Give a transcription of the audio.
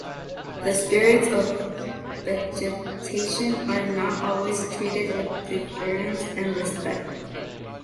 The spirits of vegetation are not always treated with deference and respect.